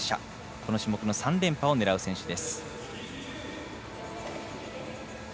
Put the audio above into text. この種目の３連覇を狙う選手です。